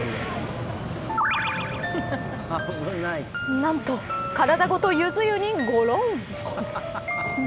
なんと、体ごとゆず湯にごろん。